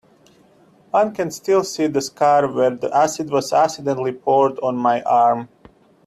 One can still see the scar where the acid was accidentally poured on my arm.